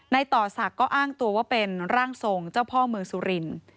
ต่อศักดิ์ก็อ้างตัวว่าเป็นร่างทรงเจ้าพ่อเมืองสุรินทร์